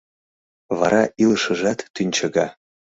— Вара илышыжат тӱнчыга.